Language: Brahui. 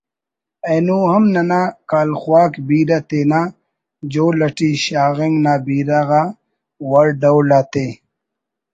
اینو ہم ننا کالخواک بیرہ تینا جول اٹی شاغنگ نا بیرہ غا وڑ ڈول آتے